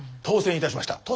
当選いたしました。